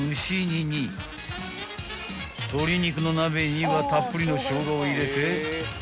［鶏肉の鍋にはたっぷりのしょうがを入れて］